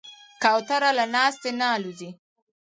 کوتره له ناستې نه الوزي.